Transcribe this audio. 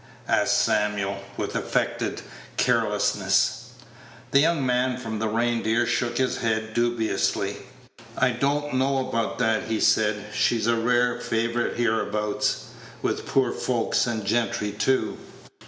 asked Samuel, with affected carelessness. The young man from the "Reindeer" shook his head dubiously. "I doant know about that," he said; "she's a rare favorite hereabouts, with poor folks and gentry too.